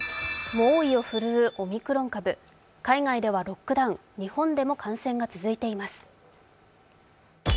猛威を振るうオミクロン株、海外ではロックダウン、日本でも感染が続いています。